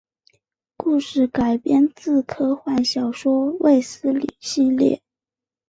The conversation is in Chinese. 故事改编自科幻小说卫斯理系列。